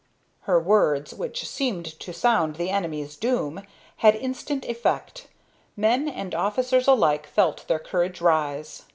Her words, which seemed to sound the enemy's doom, had instant effect. Men and officers alike felt their courage rise.